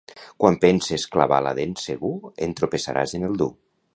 Quan penses clavar la dent segur, entropessaràs en el dur.